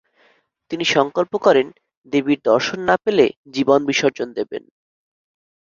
তিনি সংকল্প করেন দেবীর দর্শন না পেলে জীবন বিসর্জন দেবেন।